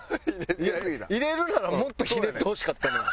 入れるならもっとひねってほしかったな。